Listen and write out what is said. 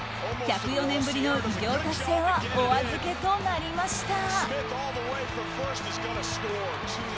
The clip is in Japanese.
１０４年ぶりの偉業達成はお預けとなりました。